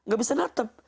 gak bisa menatap